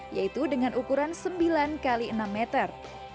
yaitu dengan ukuran sembilan x enam meter